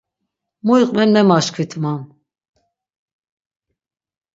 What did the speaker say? Mu iqven memaşkvit man.